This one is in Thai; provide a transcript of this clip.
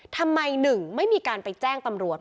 ทำไมหนึ่งไม่มีการไปแจ้งตำรวจ